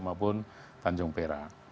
maupun tanjung perak